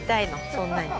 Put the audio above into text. そんなに。